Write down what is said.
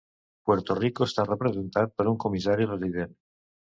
Puerto Rico està representat per un comissari resident.